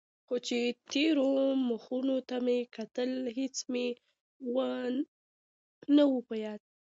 خو چې تېرو مخونو ته مې کتل هېڅ مې نه و په ياد.